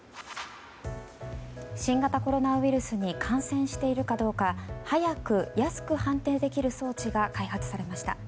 新型コロナウイルスに感染しているかどうか早く安く判定できる装置が開発されました。